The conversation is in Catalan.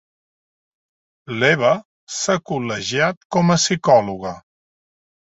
L'Eva s'ha col·legiat com a psicòloga.